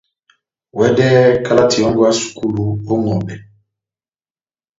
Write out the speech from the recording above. Wɛdɛhɛ kalati yɔ́ngɔ ya sukulu ó ŋʼhɔbɛ.